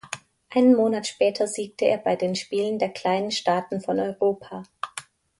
Einen Monat später siegte er bei den Spielen der kleinen Staaten von Europa.